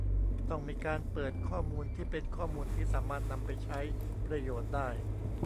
ต้องมีการเปิดข้อมูลที่เป็นข้อมูลที่สามารถนำไปใช้ประโยชน์ได้